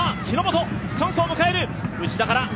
日ノ本、チャンスを迎える。